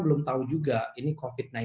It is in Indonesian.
belum tahu juga ini covid sembilan belas